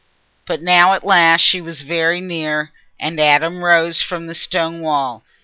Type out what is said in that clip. But now at last she was very near, and Adam rose from the stone wall.